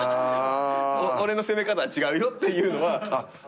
俺の攻め方は違うよっていうのは。